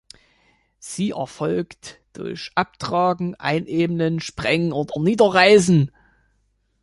Sie erfolgt durch Abtragen, Einebnen, Sprengen oder Niederreißen.